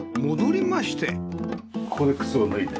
ここで靴を脱いで。